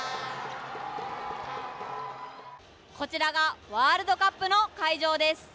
こちらがワールドカップの会場です。